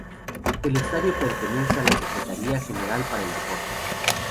El estadio pertenece a la Secretaría General para el Deporte